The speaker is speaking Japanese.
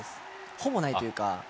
ほぼないというか。